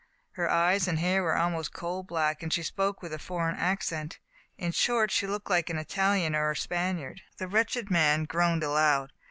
Her eyes and hair were almost coal black, and she spoke with a foreign accent. In short, she looked like an Italian or Spaniard.*' The wretched man groaned aloud.